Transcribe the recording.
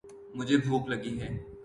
مجھے بھوک لگی ہے۔